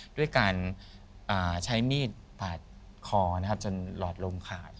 ด้วยการใช้มีดปาดคอจนหลอดลมขาด